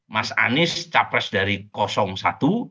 mas anis capres dari kosong satu